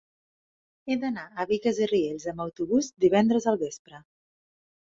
He d'anar a Bigues i Riells amb autobús divendres al vespre.